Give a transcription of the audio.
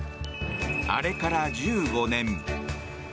あれから１５年。